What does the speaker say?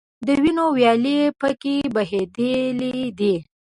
د وینو ویالې په کې بهیدلي دي.